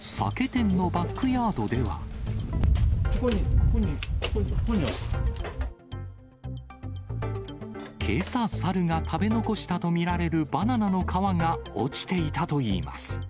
ここに、ここに、ここに落ちけさ、猿が食べ残したと見られるバナナの皮が落ちていたといいます。